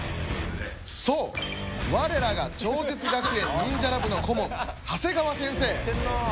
そう我らが超絶学園ニンジャラ部の顧問長谷川先生。